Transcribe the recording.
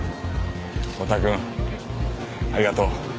太田くんありがとう。